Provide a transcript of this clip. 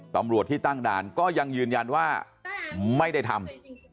ตำรวจที่ตั้งด่านก็ยังยืนยันว่าไม่ได้ทำ